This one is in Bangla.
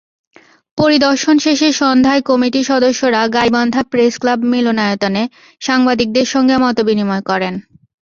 পরিদর্শন শেষে সন্ধ্যায় কমিটির সদস্যরা গাইবান্ধা প্রেসক্লাব মিলনায়তনে সাংবাদিকদের সঙ্গে মতবিনিময় করেন।